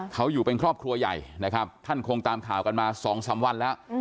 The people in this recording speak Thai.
เขาอยู่เป็นครอบครัวใหญ่นะครับท่านคงตามข่าวกันมา๒๓วันแล้ว